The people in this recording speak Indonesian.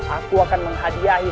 aku akan menghadiahi